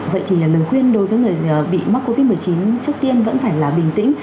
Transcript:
vậy thì lời khuyên đối với người bị mắc covid một mươi chín trước tiên vẫn phải là bình tĩnh